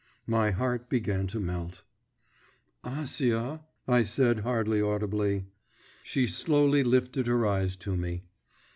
My heart began to melt.… 'Acia,' I said hardly audibly.… She slowly lifted her eyes to me.